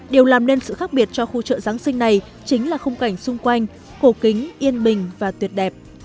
điều làm nên sự khác biệt cho khu chợ giáng sinh này chính là khung cảnh xung quanh cổ kính yên bình và tuyệt đẹp